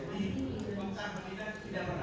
tidak pernah dianakan